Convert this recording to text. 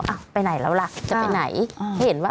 อ่ะไปไหนแล้วล่ะจะไปไหนเห็นว่า